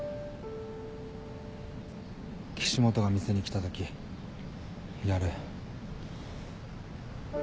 岸本が店に来たときやる。